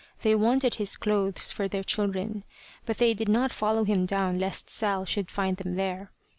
They wanted his clothes for their children; but they did not follow him down lest Sal should find them there.